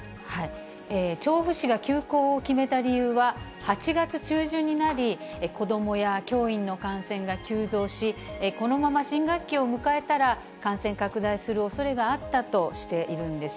調布市が休校を決めた理由は、８月中旬になり、子どもや教員の感染が急増し、このまま新学期を迎えたら、感染拡大するおそれがあったとしているんです。